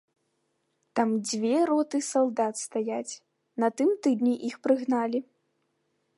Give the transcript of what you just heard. Там дзве роты салдат стаяць, на тым тыдні іх прыгналі.